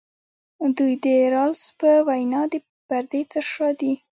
دوی د رالز په وینا د پردې تر شا دي.